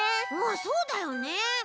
そうだよね。